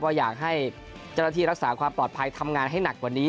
อยากให้เจ้าหน้าที่รักษาความปลอดภัยทำงานให้หนักกว่านี้